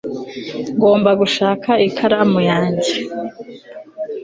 ngomba gushaka ikaramu yanjye